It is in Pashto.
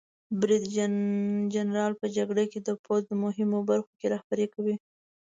برید جنرال په جګړه کې د پوځ د مهمو برخو رهبري کوي.